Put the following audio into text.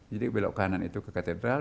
jadi belok kanan itu ke katedral